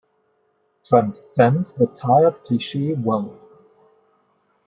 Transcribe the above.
Transcends the tired cliche well.